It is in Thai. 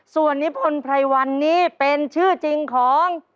ส่วนนิพนธ์ไพรวันนี้เป็นชื่อจริงของ